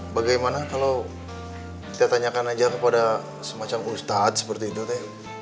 bagaimana kalau saya tanyakan aja kepada semacam ustadz seperti itu teh